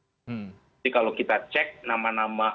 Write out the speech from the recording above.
jadi kalau kita cek nama nama lima nama teratas